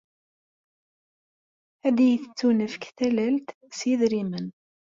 Ad iyi-tettunefk tallalt s yidrimen?